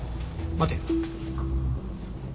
待て。